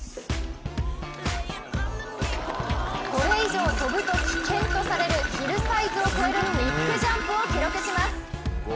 これ以上飛ぶと危険とされるヒルサイズを越えるビッグジャンプを記録します。